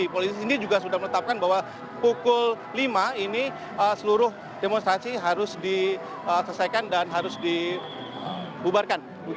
polisi sendiri juga sudah menetapkan bahwa pukul lima ini seluruh demonstrasi harus diselesaikan dan harus dibubarkan